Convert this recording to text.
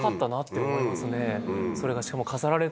それがしかも。